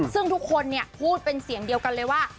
ซึ่งทุกคนพูดเป็นเสียงเดียวกันเลยว่า